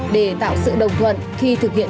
để tạo sự đồng thuận khi thực hiện